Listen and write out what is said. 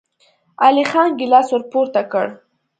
علی خان ګيلاس ور پورته کړ.